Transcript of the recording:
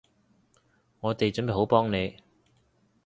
我哋準備好幫你